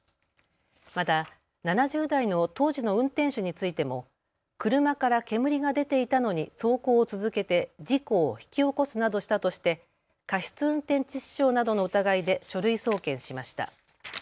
また７０代の当時の運転手についても車から煙が出ていたのに走行を続けて事故を引き起こすなどしたとして過失運転致死傷などの疑いで書類送検しました。